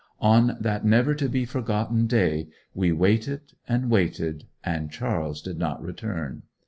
On that never to be forgotten day we waited and waited, and Charles did not return.